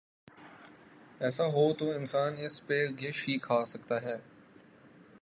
ایسا ہو تو انسان اس پہ غش ہی کھا سکتا ہے۔